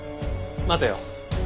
待てよ。